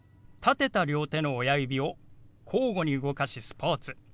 立てた両手の親指を交互に動かし「スポーツ」。